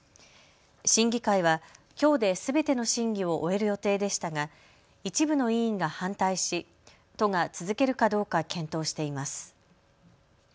審議会はきょうですべての審議を終える予定でしたが一部の委員が反対し都が続けるかどうか検討しています。